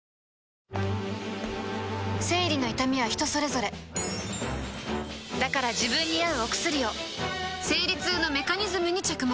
生理の痛みは人それぞれだから自分に合うお薬を生理痛のメカニズムに着目